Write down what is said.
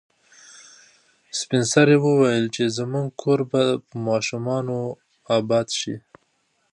سپین سرې وویل چې زموږ کور به په ماشومانو اباد شي.